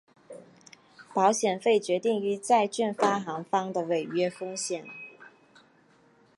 保险费决定于债券发行方的违约风险。